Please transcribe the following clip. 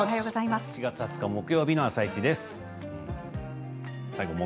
４月２０日木曜日の「あさイチ」です。